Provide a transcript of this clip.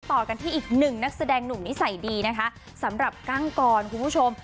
ต่อกันที่อีกหนึ่งนักแสดงหนุ่มนิสัยดีนะคะสำหรับกั้งกรคุณผู้ชม